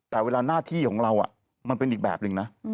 แต่เวลาหน้าที่ของเรามันเป็นอีกแบบหนึ่งนะ